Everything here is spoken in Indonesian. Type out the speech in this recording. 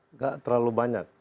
enggak terlalu banyak